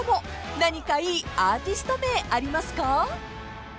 ［何かいいアーティスト名ありますか？］